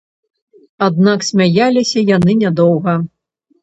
Аднак смяяліся яны нядоўга.